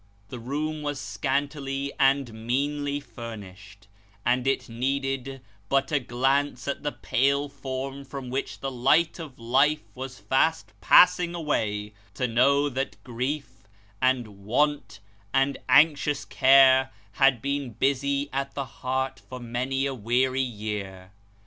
The room was scantily and meanly furnished ; and it needed but a glance at the pale form from which the light of life was fast passing away, to know that grief, and want, and anxious care, had been busy at the heart for many a weary year.